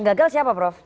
gagal siapa prof